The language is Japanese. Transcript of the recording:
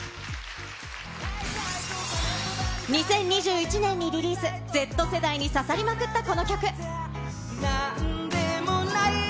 ２０２１年にリリース、Ｚ世代に刺さりまくったこの曲。